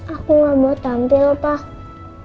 aku gak mau tampil pak